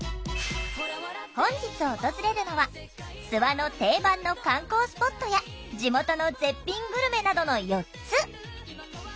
本日訪れるのは諏訪の定番の観光スポットや地元の絶品グルメなどの４つ。